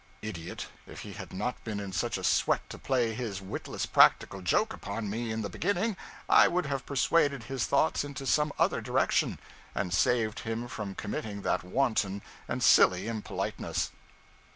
Idiot, if he had not been in such a sweat to play his witless practical joke upon me, in the beginning, I would have persuaded his thoughts into some other direction, and saved him from committing that wanton and silly impoliteness.